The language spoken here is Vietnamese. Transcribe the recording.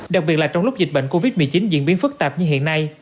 đặc biệt là trong lúc dịch bệnh covid một mươi chín diễn biến phức tạp như hiện nay